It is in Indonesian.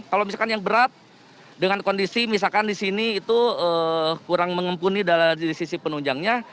kalau misalkan yang berat dengan kondisi misalkan di sini itu kurang mengempuni dari sisi penunjangnya